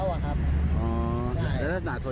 อันนี้ไม่มีของนะรถใกล้มา